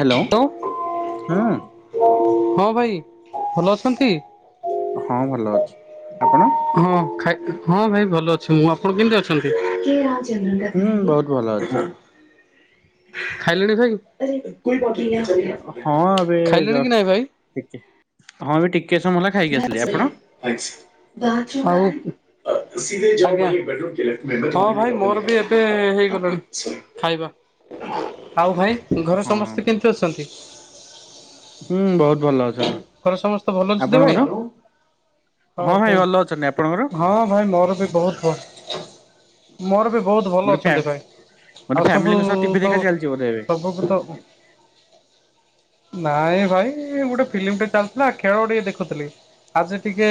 Hello ହଁ। ହଁ ଭାଇ ଭଲ ଅଛନ୍ତି। ହଁ ଭଲ ଅଛି ଆପଣ? ହଁ ଖାଇ ହଁ ଭାଇ ଭଲ ଅଛି ମୁଁ ଆପଣ କେମିତି ଅଛନ୍ତି? ହୁଁ ବହୁତ ଭଲ ଅଛି ଚନ୍ଦ୍ରନଣ୍ଡଖା ଖାଇଲେଣି ଭାଇ। ହଁ ଏବେ ଖାଇଲେଣି କି ଜଷ୍ଟ ନାଇଁ ଭାଇ? ଟିକେ ହଁ ବି ଠିକ୍। ଘର [unintelligible] ହଁ ଭାଇ ମୋର ବି ଏବେ ହେଇଗଲାଣି ଖାଇବା। ଆଉ ଭାଇ ଘରେ ହଁ ସମସ୍ତେ କେମିତି ଅଛନ୍ତି। ହୁଁ ବହୁତ ଭଲ ଅଛି। ଘରେ ସମସ୍ତେ ଭଲ ଅଛନ୍ତି ଭାଇ। ହଉ ହଁ ଭାଇ ହ ଭଲ ଅଛନ୍ତି ଆପଣଙ୍କର ହଁ ଭାଇ ମୋର ବି ବହୁତ ଭଲ। ମୋର ବି ବହୁତ ଭଲ ଗୋଟେ ଫ୍ୟା ଅଛନ୍ତି ଭାଇ। ଗୋଟେ ଆଉ ସବୁ ଫ୍ୟାମିଲିଙ୍କ ସହ ଟିଭି ତ ଦେଖା ଚାଲିଛି ବୋଧେ ଏବେ ସବୁ ତ। ନାଇଁ ଭାଇ ଗୋଟେ ଫିଲ୍ମ ଟେ ଚାଲିଥିଲା ଖେଳ ଟିକେ ଦେଖୁଥିଲି। ଆଜି ଟିକେ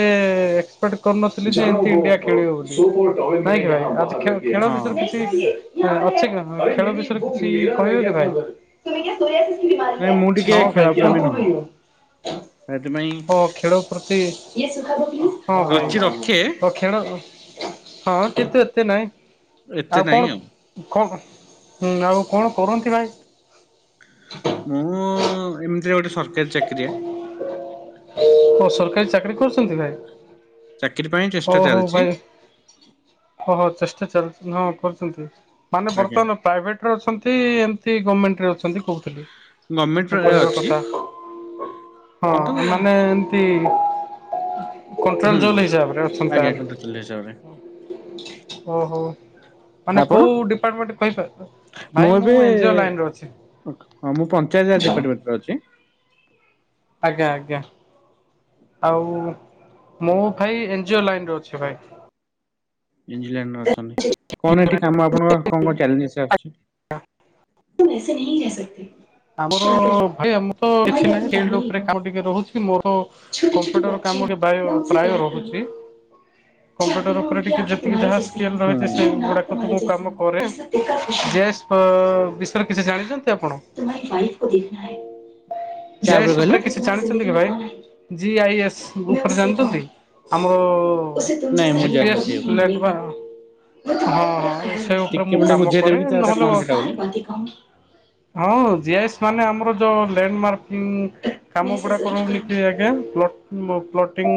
ଏସପେକ୍ଟ କରିନଥିଲି ସେ ଏମ ଇଣ୍ଡିଆ ଖେଳିବ ବୋଲି। ନାଇଁ ଭାଇ। ଖ ଖେଳ ହଁ ବିଷୟ ରେ କିଛି, କିଛି ଅଛି କି, ଖେଳ ବିଷୟରେ କିଛି କହିବେ କି ଭାଇ? ନାଇଁ ମୁଁ ଛ ଟିକେ ଖେଳ ଖାଇକି କଣ ପ୍ରେମୀ ନୁହଁ କରୁଛ? ସେଥିପାଇଁ ହଁ ଖେଳ ପ୍ରତି। ହଁ ଭାଇ ରୁଚି ରଖେ ଖେଳେ ହଁ, କିନ୍ତୁ ଏତେ ନାଇଁ। ଏତେ ଆଉ ନାହିଁ କଣ, କଣ ହୁଁ ଆଉ କଣ କରନ୍ତି ଭାଇ? ମୁଁ ଏମିତିରେ ଗୋଟେ ସରକାରୀ ଚାକିରିଆ। ଓ ସରକାରୀ ଚାକିରୀ କରୁଛନ୍ତି ଭାଇ? ଚାକିରି ପାଇଁ ହ ଚେଷ୍ଟା ହୋଉ ଚାଲିଛି ଭାଇ, ଭଲ ଚେଷ୍ଟା ଚାଳିଛି ନ, ହଁ କରୁଛନ୍ତି। ମାନେ ଆଜ୍ଞା ବର୍ତ୍ତମାନ ପ୍ରାଇଭେଟରେ ଅଛନ୍ତି ଏମ୍ ତି, ଗଭର୍ଣ୍ଣମେଣ୍ଟରେ ଅଛନ୍ତି କହୁଥିଲି? ମୋ ଗଭର୍ଣମେଣ୍ଟରେ କହିବା ଅଛି କଥା କିନ୍ତୁ ହଁ ମାନେ ଏମତି ହୁଁ କଣ୍ଟ୍ରୋଚୁଆଲ୍ ହିସାବରେ ଅ ଆଜ୍ଞା କଣ୍ଟ୍ରାଚୁଆଲ୍ ହିସାବରେ। ହ ହୋ। ମାନେ ଆପଣ? କୋଉ ଡିପାର୍ଟମଣ୍ଟ ପାଇ- ଭାଇ ମୁଁ ଏନ୍ ଜି ଓ ଲାଇନ୍ ରେ ଅଛି। ହଁ ମୁଁ ପଞ୍ଚାୟତ ରାଜ ଡିପାର୍ଟମେଣ୍ଟ ରେ ଅଛି। ଆଜ୍ଞା ଆଜ୍ଞା। ଆଉ ମୁ ଭାଇ ଏନ୍ ଜି ଓ, ଲାଇନରେ ଅଛି ଭାଇ। ଇଜିଲଣ୍ଡରେ ଅଛନ୍ତି। କଣ ଏଠି କାମ ଆପଣଙ୍କ କଣ, କଣ ଚାଲେଞ୍ଜ ଅଛି? ତୁମ ଏସେ ନେଇ [unintelligible] ହ [unintelligible] ଆମର ଭଁ ତଛିଁ କ ଟିକେ ରହୁଛି ମୋର କମ୍ପୁଟର କାମ [unintelligible] ବ୍ୟୟ ପ୍ରାୟ ରହୁଛି। କମ୍ପ୍ୟୁଟର ଉପରେ ଟିକେ ଯେ ଯାହା ସ୍କେଲ ହୁଁ। ରହିଚି ସେ ଗୁଡାକ ଟିକେ କ କରେ। ଜୟ ସୁୁପ୍ରା, ବିଷୟରେ କିଛି ଜାଣିଛନ୍ତି ଆପଣ? କାହା ଜୟ ଉପରେ ସୁୁପ୍ରା କହିଲେ? କିଛି ଜାଣିଛନ୍ତି କି ଭାଇ? ଜି ଆଇ ଏସ୍, ଉପରେ ଜାଣିଛନ୍ତି ଆମର, ନାଇଁ ମୁଁ ଜିପି ଜାଣିନି ସେଇ ଏସ୍- ଉପରେ ନେଇବା ହଁ, ହଁ। ସେ ଉପରେ ଟିକେ ମୁଁ ମତେ କାମ ବୁଝେଇଦେବେ କରେ। କି ସେଟା ନହେଲେ କଣ ସେଟା ବୋଲି। ହଁ, ଜି ଆଇ ଏସ୍ ମାନେ ଆମର ଯୋଉ ଲ୍ୟାଣ୍ଡ ମାର୍କିଂ କାମ ଗୁଡା କର କି ଆଜ୍ଞା? ଯୋଉ ପ୍ଲଟିଙ୍ଗ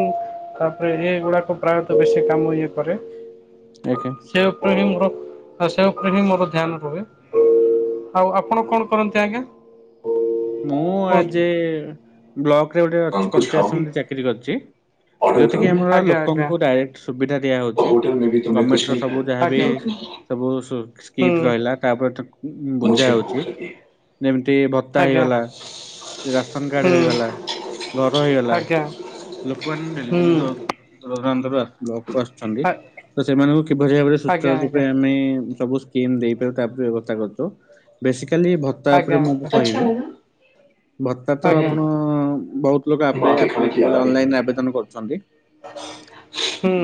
ତାପରେ ଏଇଗୁଡାକ ପ୍ରାୟତଃ ବେଶୀ କାମ ହ କରେ। ଓକେ। ସେ ଉପରେ ହିଁ ବ ତ ସେ ଉପରେ ହିଁ ମୋର ଧ୍ୟାନ ରହେ। ଆଉ ଆପଣ କଣ କରନ୍ତି ଆଜ୍ଞା? ମୁଁ କୁହନ୍ତୁ? ଆଜ ଏ ବ୍ଲକରେ ଗୋଟେ ପଞ୍ଚାୟତ ସମିତି ଚାକିରି କରିଛି। ଯୋଉଥି କିି ଆମର ଲୋକଙ୍କୁ ଡାଇରେକ୍ଟ ସୁବିଧା ଦିଆ ହଉଛି। ଗଭର୍ଣମେଣ୍ଟ ର ସବୁ ଯାହାବି ସବୁ ସ୍କିପ ରହିଲା, ତାପରେ ବୁଝା ହଉଚ ଯେମିତି ଭ ତା ଆଜ୍ଞା ହେଇଗଲା, ସେ ରାସନ କାର୍ଡ ହୁଁ ହେଇଗଲା ଘର ହେଇଗଲା, ଆଜ୍ଞା ଲୋକମାନେ ଡେଲି ଡେଲି, ହୁଁ ଦେବା ବ୍ଲକ୍ ଆସୁଛନ୍ତି। ତ ସେମାନଙ୍କୁ କିଭଳି ଭାବରେ ଆଜ୍ଞା ସୁଚାର ରୂପେ ଆଜ୍ଞା। ଆମେ ସବୁ ସ୍କିମ ଦେଇପାରିବ ତାପରେ ବ୍ୟବସ୍ଥା କରୁଛୁ। ବେସିକାଲି ଭତ୍ତା ଉପରେ ମୁ ଆଛା ଲାଗା। ଭତ୍ତା ତ ଆପଣ ବହୁତ ଲୋକ ଆପ୍ଲାଏ, ଆପ୍ଲି- ଅନଲାଇନ୍ ଆବେଦନ କରୁଛନ୍ତି। ହ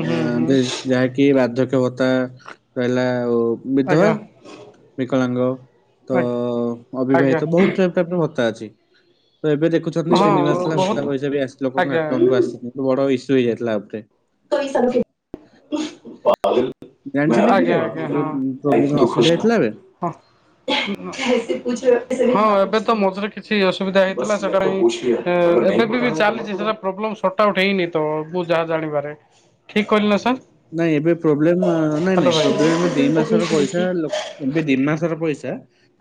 ହୁଁ, ଯେ ଯାହାକି ବା ବାଧ୍ୟକ୍ଷ ଭତ୍ତା ରହିଲା, ବିଧବା ବିକଳାଙ୍ଗ ତ ଆ, ଅବିବାହିତ ଆଜ୍ଞା। ବହୁତ ଟାଇପ୍ ର ଭତ୍ତା ଅଛି। ତ ଏବେ ଦେଖୁଛନ୍ତି ହଁ ତିନି ମାସ ହେଲା ବହୁତ ଭତ୍ତା ପଇସା ବି ଆସି ଲୋକଙ୍କ ଆଜ୍ଞା ଆକାଉଣ୍ଟ କୁ ଆସିନି ବଡ ଇସ୍ୟୁ ହେଇଯାଇଥିଲା ଉପରେ [unintelligible] ଜାଣିଛନ୍ତି ଆଜ୍ଞା ଏଥିରେ ଆଜ୍ଞା ଯୋଉ ହଁ। ପ୍ରୋବ୍ଲେମ ଅସୁବିଧା ହେଇଥିଲା ଏବେ [unintelligible] ହଁ ଏବେ ତ ମଝିରେ କିଛି ଅସୁବିଧା ହେଇଥିଲା ସେଟା ଏବେ ଚାଲିଟଲେ ସଟ ଆଉଟ ହେଇନି ତ ମୁଁ ଯାହା ଜାଣିପାରେ ଠିକ କହିଲି ନା ସାର୍। ନାଇଁ ଏବେ ପ୍ରୋବ୍ଲେମ ନାଇଁ ନାଇଁ ପ୍ରୋବ୍ଲେମ ଏ ଦି ମାସର ପଇସା ଏ ଦି ମାସର ପଇସା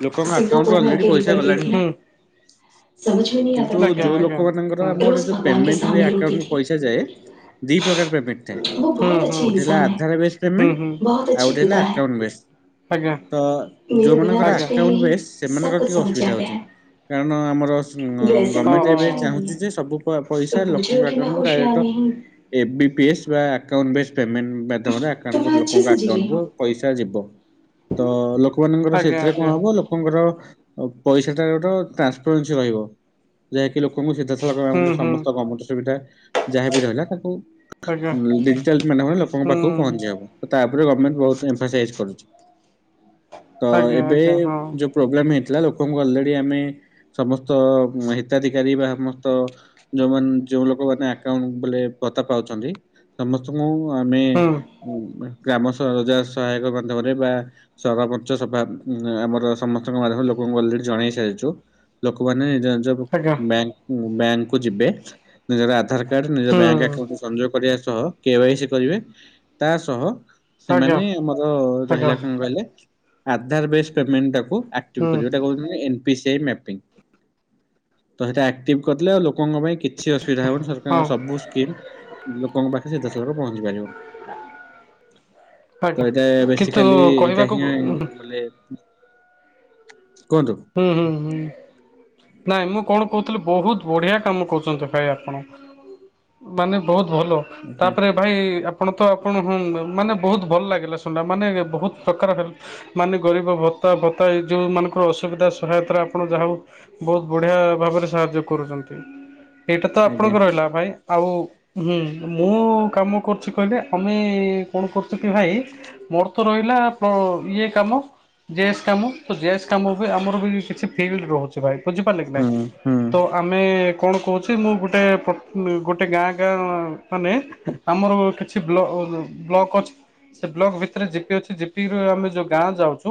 ଲୋକଙ୍କ ଆକାଉଣ୍ଟୁ ଅଲରେଡି ପଇସା ଗଲାଣି ହାରି। କିନ୍ତୁ ଯୋଉ ଲୋକ ମାନଙ୍କର ଗୋଟେ ଯୋଉ ପେମେଣ୍ଟ ହୁଏ ଆକାଉଣ୍ଟରୁ ପଇସା ଯାଏ ଦିଇ ପ୍ରକାର ପେମେଣ୍ଟ ଥାଏ। ଗୋଟେ ହେଲା ଆଧାର ବେଶ ପେମେଣ୍ଟ ଆଉ ଗୋଟେ ହେଲା ଆକାଉଣ୍ଟବେଶ। ତ ଯୋଉମାନଙ୍କର ଆକାଉଣ୍ଟ ବେଶ ସେମାନଙ୍କର ଟିକେ ଅସୁବିଧା ହଉଛି କାରଣ ଆମର ଗଭର୍ଣମେଣ୍ଟ ଏବେ ଚାହୁଁଛି ଯେ ସବୁ ପଇସା ଲୋକଙ୍କ ଆକାରକୁ direct F B P S ବା ଆକାଉଣ୍ଟ ବେସ୍ ପେମେଣ୍ଟ ମାଧ୍ୟମରେ ଆକାଉଣ୍ଟ ଲୋକଙ୍କ ଆକାଉଣ୍ଟକୁ ପଇସା ଯିବ। ତ ଲୋକମାନଙ୍କର ଆଜ୍ଞା ସେଥିରେ କଣ ଆଜ୍ଞା ହବ ଲୋକଙ୍କର ପଇସାଟା ଗୋଟେ ଟ୍ରାନ୍ସପାରେନ୍ସି ରହିବ ଯେ କି ଲୋକଙ୍କୁ ସିଧାସଳଖ ହୁଁ ହୁଁ ସମସ୍ତ ଗମେଣ୍ଟ ସୁବିଧା ଯାହାବି ରହିଲା ତାଙ୍କୁ ଆଜ୍ଞା। ଲୋକଙ୍କ ହୁଁ ପାଖକୁ ପହଞ୍ଚିବା ତା ଉପରେ ଗମେଣ୍ଟ ବହୁତ ଏମ୍ଫାସାଇଜ କରୁଛି। ତ ଆଜ୍ଞା ଏବେ ଆଜ୍ଞା ହଁ ଯୋଉ ପ୍ରୋବ୍ଲେମ ହେଇଥିଲା ଥିଲା ଲୋକଙ୍କୁ ଅଲରେଡି ଆମେ ସମସ୍ତ ହିତାଧିକାରୀ ବା ସମସ୍ତ ଯୋଉମାନେ ଯେଉ ଲୋକମାନେ ଆକାଉଣ୍ଟ ବୋଲେ ଭତା ପାଉଛନ୍ତି ସମସ୍ତଙ୍କୁ ଆମେ ହୁଁ ଗ୍ରାମ ରୋଜା ସହାୟକ ମାଧ୍ୟମରେ ବା ସଭା ଆମର ସମସ୍ତଙ୍କ ମାଧ୍ୟମରେ ଲୋକ ମୁ କହିଲି ଜଣେଇ ସାରିଛୁ ଲୋକମାନେ ଆଜ୍ଞା ବ୍ୟାଙ୍କକୁ ଯିବେ ନିଜର ଆଧାରକାର୍ଡ ନିଜର ହୁଁ ବ୍ୟାଙ୍କ ଆକାଉଣ୍ଟ ସନଯୋଗ କରିବା ସହ କେଵାଇସି କରିବେ ତା ସହ ଆଜ୍ଞା ସେମାନେ ଆମର ଆଜ୍ଞା ରହିଲା କ୍ଷଣୁ କହିଲେ ଆଧାରବେଶ ପେମେଣ୍ଟ ଟାକୁ ଆକ୍ଟିଭ ହୁଁ କରିବା କଣ ହଉଛି ଏନପିସିଆଇ ମ୍ୟାପିଣ୍ଗି [inaudible] ତ ସେଟା ଆକ୍ଟଭି କରିଥିଲା ଲୋକଙ୍କ ପାଇଁ କିଛି ଅସୁବିଧା ହଉନି ହଁ ସରକାରଙ୍କ ସବୁ ସ୍କିମ୍ ଲୋକଙ୍କ ପାଖରେ ପହଞ୍ଚି ପାରିବ। ଆଜ୍ଞା ତ ଏଟା କିନ୍ତୁ ବେସିକାଲି ଏଇଟା କହିବାକୁ ହିଁ ହୁଁ ବୋଲେ କୁହନ୍ତୁ ହୁଁ ହୁଁ ହୁଁ। ନାଇଁ ମୁଁ କଣ କହୁଥିଲି ବହୁତ ବଢିଆ କାମ କରୁଛନ୍ତି। ଭାଇ ଆପଣ [inaudible] ମାନେ ବହୁତ ଭଲ ଆଜ୍ଞା ତାପରେ ଭାଇ ଆପଣ ତ ଆପଣ ମାନେ ବହୁତ ଭଲ ଲାଗିଲା ସୁଣା ମାନେ ବହୁତ ପ୍ରକାର ହେଲ୍ପ ମାନେ ଗରିବ ତା ବତା ଏ ଯେଉ ମାନଙ୍କର ଅସୁ ଅସୁବିଧା ସହାୟତାରେ ଆପଣ ଯାହା ବହୁତ ବଢିଆ ଭାବରେ ସାହାଯ୍ୟ କରୁଛନ୍ତି। ଏଇଟା ତ ଆଜ୍ଞା ଅପଣଙ୍କ ରହିଲା ଭାଇ ଆଉ ହୁଁ ମୁଁ କାମ କରୁଛି କହିଲେ ଆମେ କଣ କରୁଛୁ କି ଭାଇ ମୋର ତ ରହିଲା ଇଏ କାମ ଜେସ୍ କାମ ତ ଜେସ୍ କାମ ଆମର ବି କିଛି ଫିଲ୍ଡ ରହୁଛି ଭାଇ ବୁଝିପାରିଲେ କି ଭାଇ ହୁଁ ହୁଁ ତ ଆମେ କଣ କହୁଛି ମୁଁ ଗୋଟେ ଗୋଟେ ଗାଁ ଗାଁ ମାନେ ଆମର କିଛି ବ୍ଲକ ବ୍ଲକ ଅଛି। ସେ ବ୍ଲକ ଭିତରେ ଜିପି ଅଛି ଜିପିୁ ଆମେ ଯୋଉ ଗାଁ ଯାଉଛୁ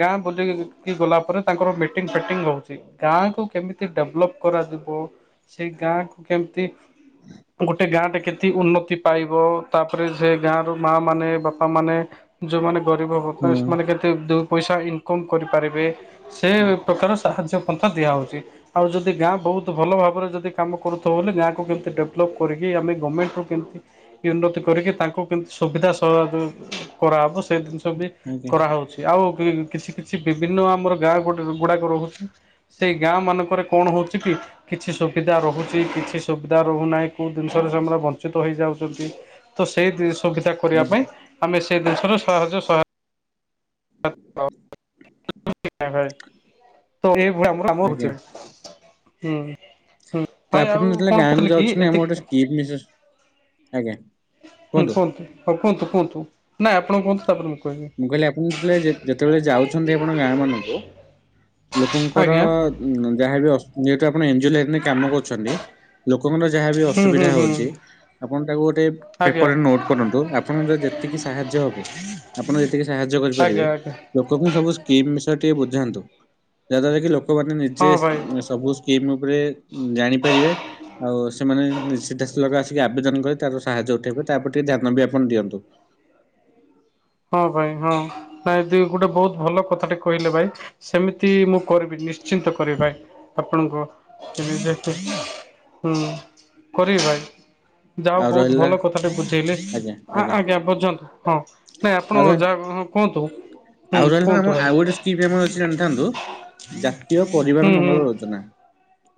ଗାଁ ବୁଲିକି ଗଲା ପରେ ତାଙ୍କର ମିଟିଙ୍ଗ ଫିଟିଙ୍ଗ ହଉଛି ଗାଁ କୁ କେମିତି ଡେଭଲପ କରାଯିବ ସେଇ ଗାଁକୁ କେମିତି ଗୋଟେ ଗାଁଟେ କେମିତି ଉନ୍ନତି ପାଇବ ତାପରେ ସେ ଗାଁ ର ମା ମାନେ ବାପା ମାନେ ଯୋଉମାନେ ଗରିବ ହୁଁ ହତାସିମାନେ କେତେ ଯୋଉ ଦୁଇ ପଇସା ଇନକମ କରିପାରିବେ ସେ ପ୍ରକାର ସାହାଯ୍ୟ ପନ୍ଥା ଦିଆହେଉଚି ଆଉ ଯଦି ଗାଁ ବହୁତ ଭଲ ଭାବରେ ଯଦି କାମ କରୁଥିବ ବୋଲି ଗାଁକୁ କେମିତି ଡେଭଲପ କରିକି ଆମେ ଗମେଣ୍ଟରୁ କେମିତି ଉନ୍ନତି କରି ତାଙ୍କୁ କେମିତି ସୁବିଧା ସହାଅ କରାହେବ ସେ ଜିନିଷ ବି ଆଜ୍ଞା କରାହେଉଚି ଆଉ ବି କିଛି କିଛି ବି ବିନ ଆମର ଗାଁ ଗୋଡା ଗୁଡ଼ାକ ରହୁଚି ସେଇ ଗାଁ ମାନଙ୍କରେ କଣ ହଉଚି କି କିଛି ସୁବିଧା ରହୁଚି କିଛି ସୁବିଧା ରହୁନାହିଁ କୋଉ ଜିନିଷରେ ସେମାନେ ବଞ୍ଚିତ ହେଉଯାଇଚନ୍ତି ତ ସେଇ ଜିନିଷ ସୁବିଧା କରିବା ଆଜ୍ଞା ପାଇଁ ଆମେ ସେ ଜିନିଷର ସହଜ ସହାୟ [unintelligible] [unintelligible] ତ ଏଇ ଭଳିଆ କାମ ଆମର ହୋଉଚି ଆଜ୍ଞା ଭାଇ ହୁଁ ହୁଁ ତ ଭାଇ ଆପଣ ଆଉ ଯେତେବେଳେ କଣ ଗାଁକୁ କହୁଥିଲି କି ଯାଉଛନ୍ତି ଆମ ଗୋଟେ ଏତିକି ସ୍କିମ୍ ବିଶେଷ ଆଜ୍ଞା ହୁଁ କୁହନ୍ତୁ ହଁ କୁହନ୍ତୁ କୁହନ୍ତୁ ନାଇଁ ଆପଣ କୁହନ୍ତୁ ତାପରେ ମୁଁ କହିବି। ମୁଁ କହିଲି ଆପଣ ଯେତେବେଳେ ଯେତେବେଳେ ଯାଉଚନ୍ତି ଆପଣ ଗାଁ ମାନଙ୍କୁ ଲୋକଙ୍କର ଆଜ୍ଞା ଉଁ ଙ୍ଗ ଯାହାବି ଅସୁ ଯେହେତୁ ଆପଣ ଏଞ୍ଜିଓ ଲାଇନ ରେ କାମ କରୁଚନ୍ତି ଲୋକ ଲୋକଙ୍କର ଯାହା ବି ହୁଁ ଅସୁବିଧା ହୁଁ ହୁଁ ହଉଚି ଆପଣ ତାକୁ ଗୋଟେ ଆଜ୍ଞା ପେପରରେ ନୋଟ୍ କରନ୍ତୁ ଆପଣଙ୍କ ର ଯେତିକି ସାହାଯ୍ୟ ହବ ଆପଣ ଯେତିକି ସାହାଯ୍ୟ କରିପାରିବେ ଆଜ୍ଞା ଆଜ୍ଞା ଲୋକଙ୍କୁ ସବୁ ସ୍କିମ୍ ବିଷୟରେ ଟିକେ ବୁଝାନ୍ତୁ ଯାହା ଦ୍ଵାରା କି ଲୋକ ଲୋକମାନେ ନିଜେ ହଁ ଭାଇ। ସବୁ ସ୍କିମ୍ ଉପରେ ଜାଣିପାରିବେ ଆଉ ସେମାନେ ସିଧା ସଳଖ ଆସ ଟିକେ ଆବେଦନ କରି ତାର ସାହାଯ୍ୟ ଉଠେଇବେ ତାପରେ ଟିକେ ଧ୍ୟାନ ବି ଆପଣ ଦିଅନ୍ତୁ। ହଁ ଭାଇ ହଁ ନାଇଁ ଦି ଗୋଟେ ବହୁତ ଭଲ କଥାଟେ କହିଲେ ଭାଇ ସେମିତି ମୁଁ କରିବି ନିଶ୍ଚିୟ ତ କରିବି ଭାଇ ଆପଣଙ୍କ [unintelligible] ହୁଁ କରିବି ଭାଇ। ଯା ହୋଉ ଆଉ ବହୁତ ରହିଲା ଭଲ କଥା ଟେ ବୁଝେଇଲେ ଆ ଆଜ୍ଞା ବୁଝନ୍ତୁ ହଁ। ନାଇଁ ଆପଣ ଆଉ ରହ ଯାହା କୁହନ୍ତୁ ହୁଁ ଆଉ ରହିଲା ଆମ କୁହନ୍ତୁ ଭାଇ। ଆଉ ଗୋଟେ ସ୍କିମ୍ ଆମର ଅଛି ଜାଣିଥାନ୍ତୁ ଜାତୀୟ ପରିବାର ହୁଁ ହୁଁ। ମଙ୍ଗଳ ଯୋଜନା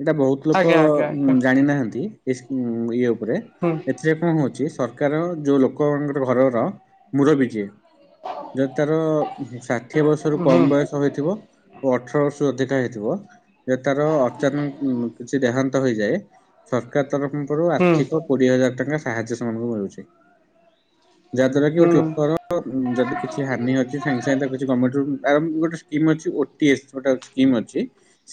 ଏଇଟା ବହୁତ ଲୋକ ଆଜ୍ଞା ଆଜ୍ଞା ଆଜ୍ଞା ଜାଣିନାହାନ୍ତି ଇସ ଉଁ ଇଏ ଉପରେ ହୁଁ ଏଥିରେ କଣ ହଉଚି ପ୍ରକାର ଯୋଉ ଲୋକମାନଙ୍କର ଘରର ମୁରବି କିଏ ଯଦି ତାର ଷା ଷାଠିଏ ବର୍ଷରୁ ହୁଁ। କମ୍ ବୟସ ହୋଇଥିବ ଓ ଅଠର ବର୍ଷରୁ ଅଧିକା ହୋଇଥିବ। ଯେ ତାର ଅଚାନକ କିଛି ଦେହାନ୍ତ ହୋଇଯାଏ ସରକାର୍ ତରଫରୁ ହୁଁ ହୁଁ ଆର୍ଥିକ କୋଡିଏ ହଜାର ଟଙ୍କା ସାହାଯ୍ୟ ସେମାନଙ୍କୁ ମିଳୁଚି। ଯାହା ଦ୍ଵାରା କି ଗୋଟେ ଲୋକର ଯଦି କିଛି ହାନି ଅଛି ସାଙ୍ଗେ ସାଙ୍ଗେ ତା କିଛି ଗମେଣ୍ଟ ରୁ ଆଉ ଗୋଟେ ସ୍କିମ୍ ଅଛି ଓଟି ଏସ୍ ଗୋଟେ ଅଛି ସ୍କିମ୍ ଅଛି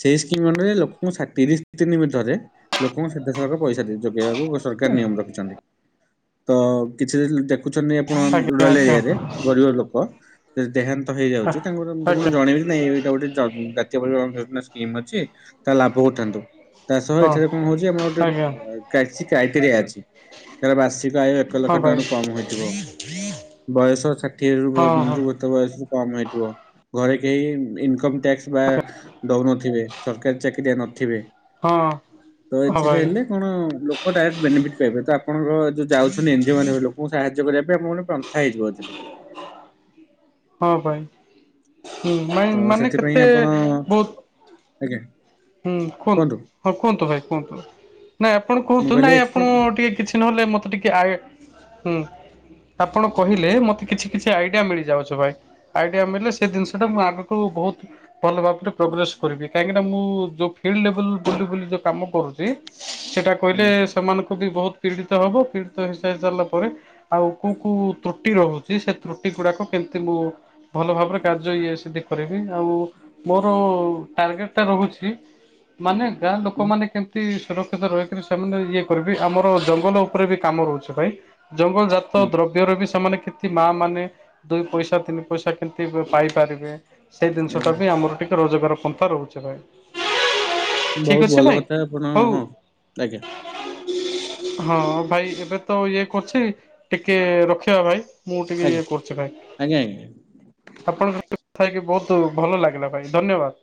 ସେଇ ସ୍କିମ୍ ରେ ଲୋକଙ୍କୁ ଷାଠିଏ ତିରିଶ ଦିନ ନିମିତ୍ତରେ ଲୋକଙ୍କ ଶ୍ୱେତସାର ପଇସା ଦେଇ ଯୋଗେଇବାକୁ ସରକାର ନିୟମ ରଖିଛନ୍ତି ତ କିଛିଦିନ ଦେ ଖୁଚନ୍ତି ଆପଣ ଆଜ୍ଞା ଉରାଲ୍ ଆଜ୍ଞା ଆଜ୍ଞା ଏରିଆ ରେ ଗରିବ ଲୋକ ଯଦି ଦେହାନ୍ତ ହେଇଯାଉଛି ତାଙ୍କର ଏମିତି ପୁଣି ଜଣେଇ ଯେ ନାଇଁ ଏଇଟା ଗୋଟେ ଜା ଜାତୀୟ ପରିବହନ ଯୋଜନା ସ୍କିମ୍ ଅଛି ତା ଲାଭ ଉଠାନ୍ତୁ ତା ସହ ହଁ ଏଠାରେ କଣ ହଉଚି ଆମର ଆଜ୍ଞା ଗୋଟେ କାଶୀ କ୍ରାଇଟେରିଆ ଅଛି ତାର ବାର୍ଷିକ ଆୟ ଏକ ଲକ୍ଷ ହଁ ଭାଇ ଟଙ୍କାରୁ କମ ହୋଇଥିବ। ବୟସ ଷାଠିଏରୁ ରୁ ହଁ ହଁ ଗୋ ଗୋଟେ ବୟସରୁ କମ୍ ହେଇଥିବ। ଘରେ କେହି ଇନକମ୍ ଟ୍ୟାକ୍ସ ବା ଦଉନଥିବେ ସରକାରୀ ଚାକିରିଆ ନଥିବେ। ହଁ ତ ହଁ ଏଥିରେ ଭାଇ ହେଲେ କଣ ଲୋକ ଡାଇରେକ୍ଟ ବେନିଫିଟ ପାଇବେ ତ ଆପଣଙ୍କ ଯୋଜ ଯାଉଛନ୍ତି ଏନ୍ ଜି ଓ ମାନେ ଲୋକଙ୍କୁ ସାହାଯ୍ୟ କରିବା ପାଇଁ ଆପଣଙ୍କର ଗୋଟେ ପନ୍ଥା ହେଇଯିବ ଏଥିରେ। ହଁ ଭାଇ ହୁଁ ତ ମାନେ ସେଥିପାଇଁ କେତେ ଆପଣ ବୋହୁତ ଆଜ୍ଞା ହୁଁ କୁହନ୍ତୁ ହଁ କୁହନ୍ତୁ ଭାଇ କୁହନ୍ତୁ ନାଇଁ ଆପଣ ମୁଁ କୁହନ୍ତୁ କହିଲି ନାଇଁ ଆପଣ ଏଥିରେ ଟିକେ କିଛି ନହେଲେ ମତେ ଟିକେ ଆୟେ ହୁଁ। ଆପଣ କହିଲେ ମତେ କିଛି କିଛି ଆଇଡିଆ ମିଳିଯାଉଛି ଭାଇ ଆଇଡିଆ ମିଳିଲେ ସେ ଜିନିଷ ଟା ମୁଁ ଆଗକୁ ବୋହୁତ ଭଲ ଭାବରେ ପୋଗ୍ରେସ କରିବି କାହିଁକି ମୁଁ ଯୋଉ ଫିଲ୍ଡ ଲେବଲ ବୁଲି ବୁଲି ଯୋଉ କାମ କରୁଚି ସେଟା କହିଲେ ଆଜ୍ଞା ସେମାନଙ୍କୁ ବି ବୋହୁତ ପୀଡିତ ହବ ପୀଡିତ ହେଇସାରି ସାରଲା ପରେ ଆଉ କୋଉ କୋଉ ତ୍ରୁଟି ରୋହୁଚି ସେ ତ୍ରୁଟି ଏ ଗୁଡାକ କେମତି ମୁଁ ଭଲ ଭାବରେ କାର୍ଯ୍ୟ ଇଏ ସେଠି କରିବି ଆଉ ମୋର ଟାର୍ଗେଟ ଟା ରୋହୁଛି। ମାନେ ଗାଁ ହୁଁ ଲୋକମାନେ କେମିତି ସୁରକ୍ଷିତ ରହିକରି ସେମାନେ ଇଏ କରିବେ ଆମର ଜଙ୍ଗଲ ଉପରେ ବି କାମ ରହୁଛି ଭାଇ। ଜଙ୍ଗଲ ଜାତ ହୁଁ ଦ୍ରବ୍ୟରେ ବି ସେମାନେ କେମିତି ମାଆ ମାନେ ଦୁଇ ପଇସା ତିନି ପଇସା କେମିତି ପାଇପାରିବେ। ସେଇ ଜିନିଷଟା ଆଜ୍ଞା ବି ଆମର ଟିକେ ରୋଜଗାର ପନ୍ଥା ରହୁଛି ଭାଇ। ଠିକ ବହୁତ ଅଛି ଭଲ ଭାଇ କଥା ଆପଣ, ହଉ ହଁ ଆଜ୍ଞା। ହଁ ଭାଇ ଏବେ ତ ଇଏ କରୁଛି ଟିକେ ରଖିବା ଭାଇ। ମୁଁ ଟିକେ ଆଜ୍ଞା ଇଏ କରୁଛି ଭାଇ। ଆଜ୍ଞା ଆଜ୍ଞା ଆପଣଙ୍କ [inaudible] କଥା ହେଇକି ବହୁତ ଭଲ ଲାଗିଲା ଭାଇ ଧନ୍ୟବାଦ।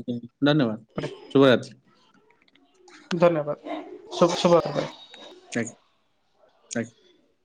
ଆଜ୍ଞା ଧନ୍ୟବାଦ ଶୁଭରାତ୍ରି। ଧନ୍ୟବାଦ ଶୁଭ ଶୁଭ। [inaudible] [inaudible]